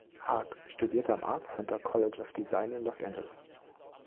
Hague studierte am Art Center College of Design in Los Angeles.